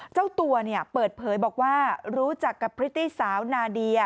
เจ้าตัวเปิดเผยบอกว่ารู้จักกับพริตตี้สาวนาเดีย